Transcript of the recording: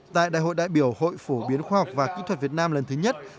tại đại hội đại biểu hội phổ biến khoa học và kỹ thuật việt nam lần thứ nhất